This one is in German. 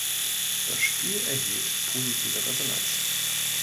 Das Spiel erhielt positive Resonanz.